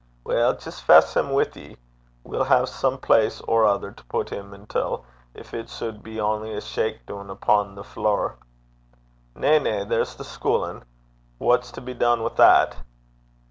'Weel, jist fess him wi' ye. We'll hae some place or ither to put him intil, gin it suld be only a shak' doon upo' the flure.' 'Na, na. There's the schuilin' what's to be dune wi' that?'